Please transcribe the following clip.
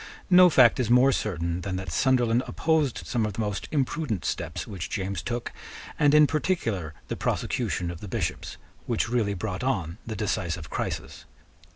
No fact is more certain than that Sunderland opposed some of the most imprudent steps which James took, and in particular the prosecution of the Bishops, which really brought on the decisive crisis.